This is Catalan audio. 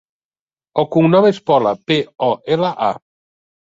El cognom és Pola: pe, o, ela, a.